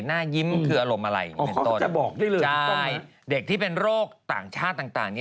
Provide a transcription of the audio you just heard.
หน้ายิ้มคืออารมณ์อะไรเป็นต้นจะบอกได้เลยใช่เด็กที่เป็นโรคต่างชาติต่าง